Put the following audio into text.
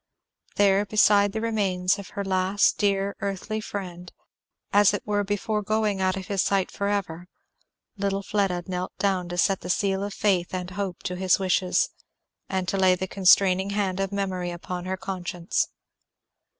There beside the remains of her last dear earthly friend, as it were before going out of his sight forever, little Fleda knelt down to set the seal of faith and hope to his wishes, and to lay the constraining hand of Memory upon her conscience.